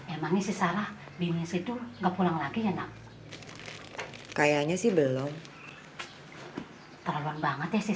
emang ini si sarah bimbing si dur nggak pulang lagi ya naf kayanya sih belum terlaluan banget sih